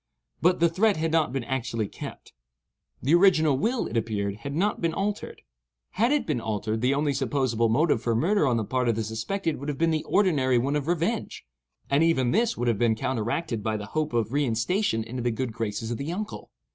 But the threat had not been actually kept; the original will, it appeared, had not been altered. Had it been altered, the only supposable motive for murder on the part of the suspected would have been the ordinary one of revenge; and even this would have been counteracted by the hope of reinstation into the good graces of the uncle.